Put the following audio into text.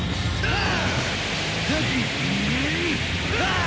ああ！